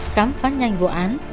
khám phát nhanh vụ án